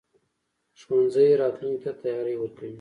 ښوونځی راتلونکي ته تیاری ورکوي.